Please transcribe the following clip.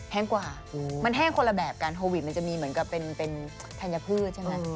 กว่ามันแห้งคนละแบบกันโควิดมันจะมีเหมือนกับเป็นธัญพืชใช่ไหม